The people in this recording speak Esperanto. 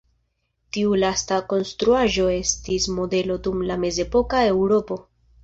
Tiu lasta konstruaĵo estis modelo dum la mezepoka Eŭropo.